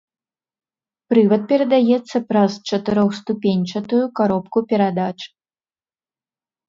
Прывад перадаецца праз чатырохступеньчатую каробку перадач.